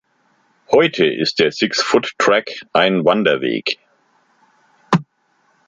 Heute ist der Six Foot Track ein Wanderweg.